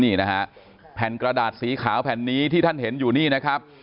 นี่นะฮะแผ่นกระดาษสีขาวแผ่นนี้ที่ท่านเห็นอยู่นี่นะครับ